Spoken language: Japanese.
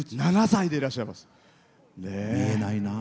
８７歳でいらっしゃいます。